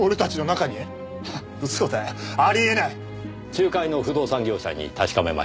仲介の不動産業者に確かめました。